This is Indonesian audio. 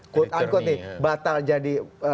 kuat ankut nih batal jadi